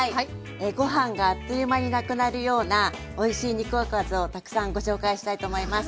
ご飯があっという間になくなるようなおいしい肉おかずをたくさんご紹介したいと思います。